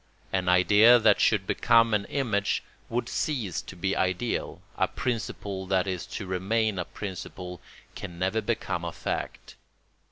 An idea that should become an image would cease to be ideal; a principle that is to remain a principle can never become a fact.